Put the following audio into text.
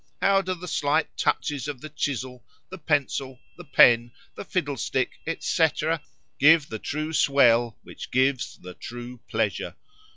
How do the slight touches of the chisel, the pencil, the pen, the fiddle stick, et cætera,—give the true swell, which gives the true pleasure!